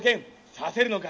刺せるのか？